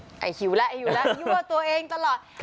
หิวแล้วหิวแล้วหิวว่าตัวเองตลอด